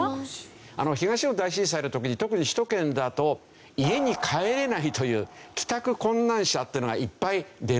東日本大震災の時に特に首都圏だと家に帰れないという帰宅困難者というのがいっぱい出ましたよね。